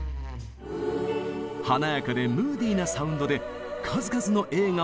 華やかでムーディーなサウンドで数々の映画を彩りました。